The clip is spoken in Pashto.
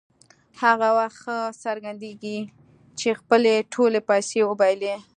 هغه وخت ښه څرګندېږي چې خپلې ټولې پیسې وبایلي.